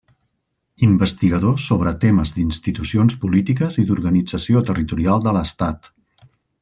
Investigador sobre temes d'institucions polítiques i d'organització territorial de l'Estat.